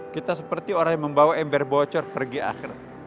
kita seperti orang yang membawa ember bocor pergi akhir